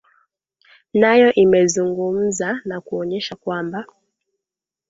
nayo imezungumza na kuonyesha kwamba